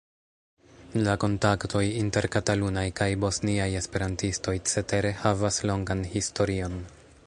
La kontaktoj inter katalunaj kaj bosniaj esperantistoj cetere havas longan historion.